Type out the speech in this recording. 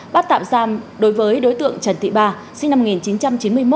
bắt tạm giam đối với đối tượng trần thị ba sinh năm một nghìn chín trăm chín mươi một